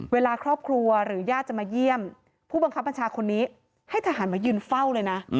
เวลาครอบครัวหรือญาติจะมาเยี่ยมผู้บังคับบัญชาคนนี้ให้ทหารมายืนเฝ้าเลยนะ